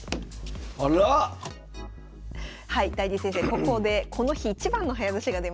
ここでこの日一番の早指しが出ました。